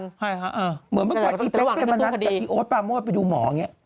ใช่ค่ะเหมือนเมื่อเมื่อก่อนที่เป๊กเป็นบรรณัฐแต่ที่โอ๊ตประมวลไปดูหมออย่างนี้